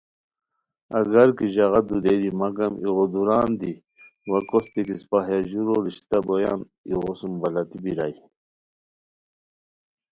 اگر کی ژاغا دودیری مگم ایغو دُوران دی وا کوستے کی اِسپہ ہیہ ژورو رشتہ بویان ایغو سُم بلاتی بیرائے